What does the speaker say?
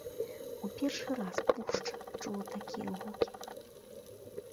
У першы раз пушча чула такія гукі.